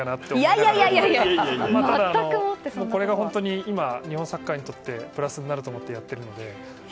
でも、やっぱりこれが今、日本サッカーにとってプラスになると思ってやっているので。